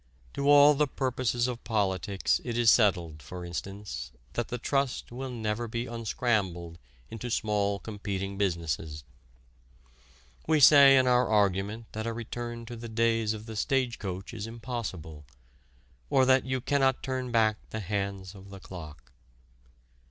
To all the purposes of politics it is settled, for instance, that the trust will never be "unscrambled" into small competing businesses. We say in our argument that a return to the days of the stage coach is impossible or that "you cannot turn back the hands of the clock."